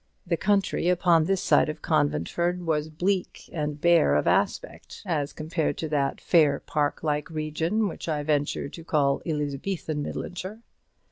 The country upon this side of Conventford was bleak and bare of aspect as compared to that fair park like region which I venture to call Elizabethan Midlandshire.